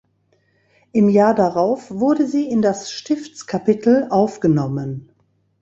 Im Jahr darauf wurde sie in das Stiftskapitel aufgenommen.